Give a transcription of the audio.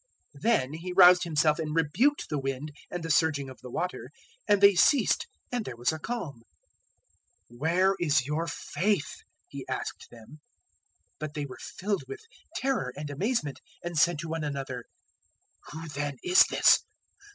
Then He roused Himself and rebuked the wind and the surging of the water, and they ceased and there was a calm. 008:025 "Where is your faith?" He asked them. But they were filled with terror and amazement, and said to one another, "Who then is this?